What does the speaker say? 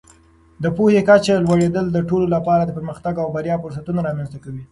د پوهې کچه لوړېدل د ټولو لپاره د پرمختګ او بریا فرصتونه رامینځته کوي.